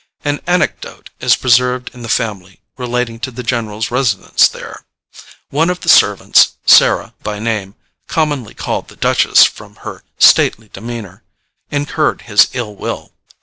An anecdote is preserved in the family relating to the general's residence there. One of the servants, Sara by name commonly called "the Duchess" from her stately demeanor incurred his ill will.